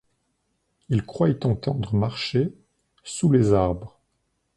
Ils croyaient entendre marcher sous les arbres.